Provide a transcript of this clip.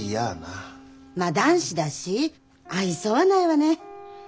まあ男子だし愛想はないわね。